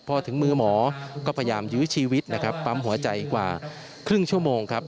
พอถึงมือหมอก็พยายามยื้อชีวิตนะครับปั๊มหัวใจกว่าครึ่งชั่วโมงครับ